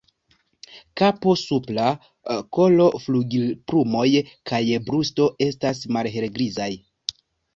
Kapo, supra kolo, flugilplumoj kaj brusto estas malhelgrizaj.